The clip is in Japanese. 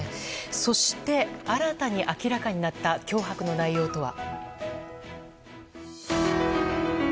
そして、新たに明らかになった脅迫の内容とは。